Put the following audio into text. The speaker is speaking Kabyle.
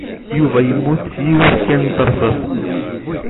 Yuba yemmut s yiwet kan n terṣaṣt.